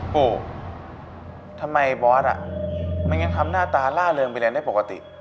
ปูทำไมบอสอ่ะมันยังทำหน้าตาล่าเริงไปแล้วได้ปกติ